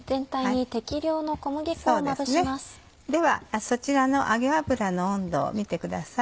ではそちらの揚げ油の温度を見てください。